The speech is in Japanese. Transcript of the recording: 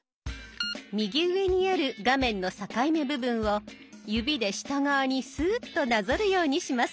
右上にある画面の境目部分を指で下側にスーッとなぞるようにします。